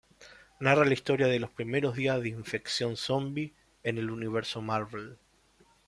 Narra la historia de los primeros días de infección zombi en el universo Marvel.